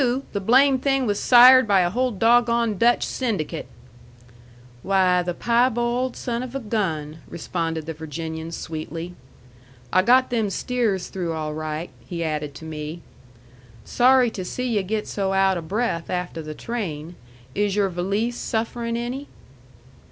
The blamed thing was sired by a whole doggone Dutch syndicate." "Why, the piebald son of a gun!" responded the Virginian, sweetly. "I got them steers through all right," he added to me. "Sorry to see yu' get so out o' breath afteh the train. Is your valise sufferin' any?"